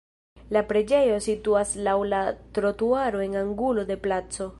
La preĝejo situas laŭ la trotuaro en angulo de placo.